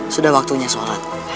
sudah waktunya sholat